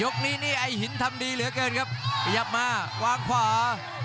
นี้นี่ไอ้หินทำดีเหลือเกินครับขยับมาวางขวา